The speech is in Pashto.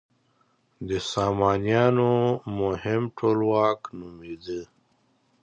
د سامانیانو مهم ټولواک نومېده.